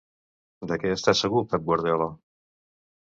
De què està segur Pep Guardiola?